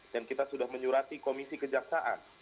dan kita sudah menyuruh komisi kejaksaan